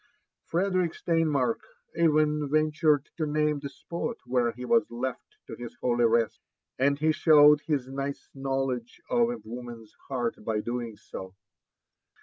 Frederick Steinmark even ventured to name the spotwhere he was left to his holy rut, and he showed his nice knowledge of a woman's heart by doing so.